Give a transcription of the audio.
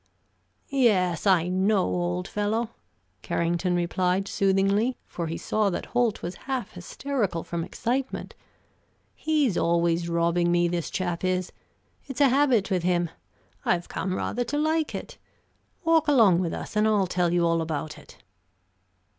"Yes, I know, old fellow," Carrington replied soothingly, for he saw that Holt was half hysterical from excitement. "He's always robbing me, this chap is. It's a habit with him. I've come rather to like it. Walk along with us, and I'll tell you all about it."